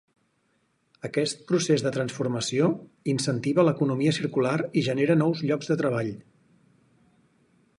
Aquest procés de transformació “incentiva l’economia circular i genera nous llocs de treball”.